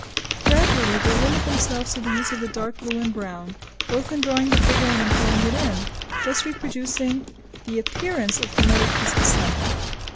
Gradually they limit themselves to the use of the dark blue and brown, both in drawing the figure and in filling it in, thus reproducing the appearance of the metal piece itself.